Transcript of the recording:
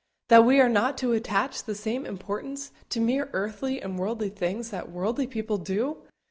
that we are not to attach the same importance to mere earthly and worldly things that worldly people do?